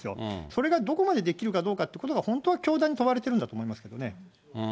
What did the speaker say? それがどこまでできるかどうかということが、本当は教団に問われてるんだと思いますけどね。